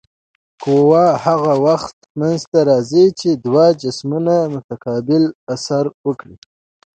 قوه هغه وخت منځته راځي چې دوه جسمونه متقابل اثر وکړي.